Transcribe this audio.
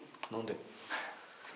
何で？